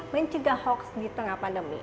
mencegah hoax di tengah pandemi